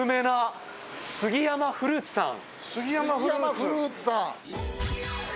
杉山フルーツさん。